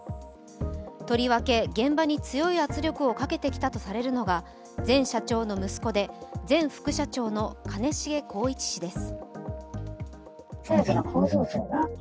とりわけ、現場に強い圧力をかけてきたとされるのが前社長の息子で前副社長の兼重宏一氏です。